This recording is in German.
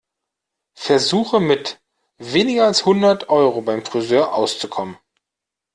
Versuche, mit weniger als hundert Euro beim Frisör auszukommen.